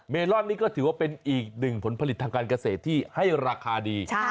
ลอนนี้ก็ถือว่าเป็นอีกหนึ่งผลผลิตทางการเกษตรที่ให้ราคาดี